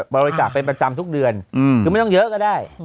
บริจาคเป็นประจำทุกเดือนคือไม่ต้องเยอะก็ได้